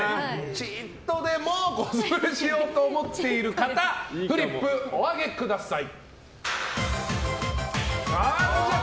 ちっとでもコスプレしようと思っている方フリップをお上げください！